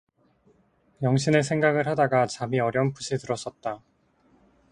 영신의 생각을 하다가 잠이 어렴풋이 들었었다.